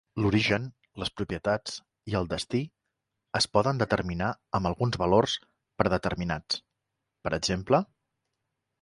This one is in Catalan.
L'origen, les propietats i el destí es poden determinar amb alguns valors predeterminats, per exemple